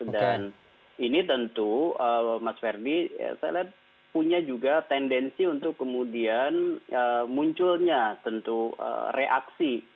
dan ini tentu mas verdi saya lihat punya juga tendensi untuk kemudian munculnya tentu reaksi